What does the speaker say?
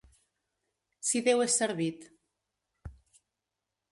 Si Déu és servit.